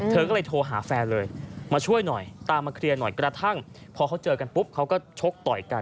เธอก็เลยโทรหาแฟนเลยมาช่วยหน่อย